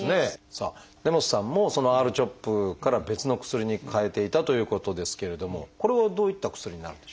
さあ根本さんもそのＲ−ＣＨＯＰから別の薬に替えていたということですけれどもこれはどういった薬になるんでしょう？